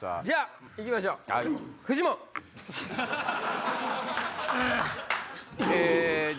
じゃあ行きましょう。